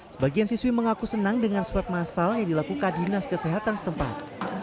sebagian siswi mengaku senang dengan swab masal yang dilakukan dinas kesehatan setempat